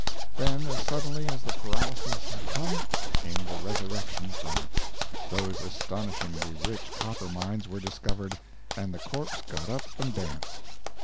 Then, as suddenly as the paralysis had come, came the resurrection from it. Those astonishingly rich copper mines were discovered, and the corpse got up and danced.